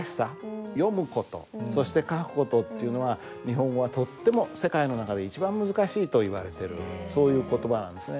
読む事そして書く事っていうのは日本語はとっても世界の中で一番難しいといわれてるそういう言葉なんですね。